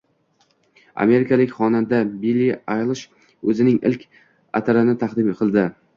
Amerikalik xonanda Billi Aylish o‘zining ilk atirini taqdim qildi